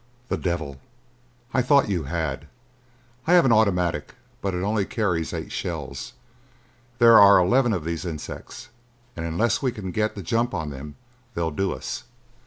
"The devil! I thought you had. I have an automatic, but it only carries eight shells. There are eleven of these insects and unless we can get the jump on them, they'll do us.